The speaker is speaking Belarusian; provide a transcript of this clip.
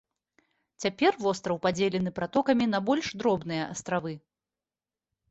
Цяпер востраў падзелены пратокамі на больш дробныя астравы.